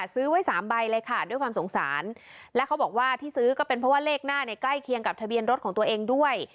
ซื้อไว้สามใบเลยค่ะด้วยความสงสารและเขาบอกว่าที่ซื้อก็เป็นเพราะว่าเลขหน้าเนี่ยใกล้เคียงกับทะเบียนรถของตัวเองด้วย